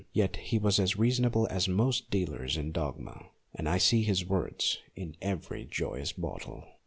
Yet he was as reasonable as most dealers in dogma, and I see his words in every joyous bottle.